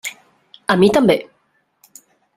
A mi també.